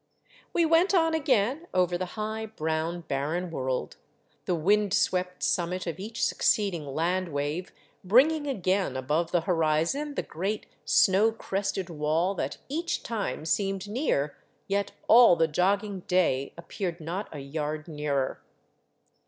We went on again over the high, brown, barren world, the wind swept summit of each succeeding land wave bringing again above the 4S7 VAGABONDING DOWN THE ANDES horizon the great snow crested wall that each time seemed near, yet all the jogging day appeared not a yard nearer.